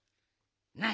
なあ